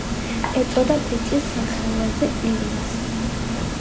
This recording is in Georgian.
ეწეოდა ბიჭი სახელოზე ილიას.